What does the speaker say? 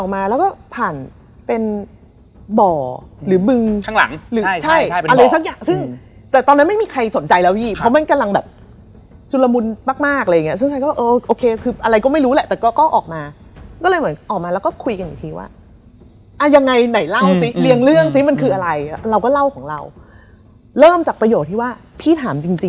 มันมีคำแบบมันเคาะกันมาแล้วอะไรอย่างเงี้ย